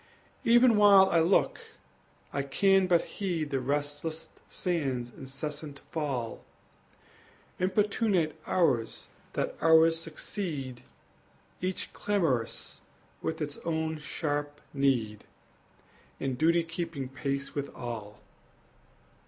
Even while I look, I can but heed The restless sands' incessant fall, Importunate hours that hours succeed, Each clamorous with its own sharp need, And duty keeping pace with all.